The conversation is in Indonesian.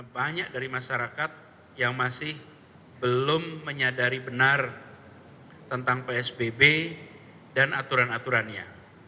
banyak dari masyarakat yang masih belum menyadari benar tentang psbb dan aturan aturannya